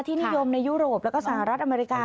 นิยมในยุโรปแล้วก็สหรัฐอเมริกา